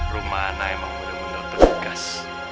rumah ana emang mudah mudahan terdekat